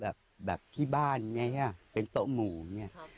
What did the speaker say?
เขานั่งเขานั่งโต๊ะอี้อ่ะ